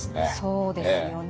そうですよね。